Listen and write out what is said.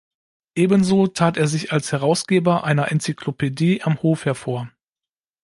Ebenso tat er sich als Herausgeber einer Enzyklopädie am Hof hervor.